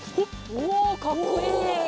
おかっこいい！